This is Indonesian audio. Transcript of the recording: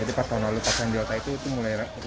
jadi pas tahun lalu pas yang delta itu mulai rame